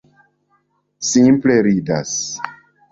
Simple ridas!